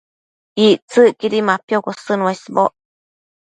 Ictsëcquidi mapiocosën uesboc